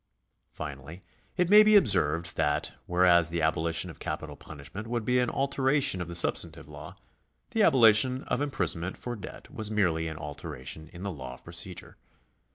Finally it may be observed that, whereas the aboHtion of capital punishment would be an alteration of the substantive law, the aboHtion of imprisonment for debt was merely an altera tion in the law of procedure.